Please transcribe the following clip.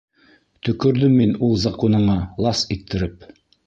Төкөрҙөм мин ул закуныңа ласт иттереп!